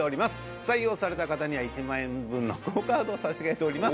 採用された方には１万円分のＱＵＯカードを差し上げております